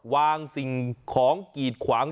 สิ่งของกีดขวาง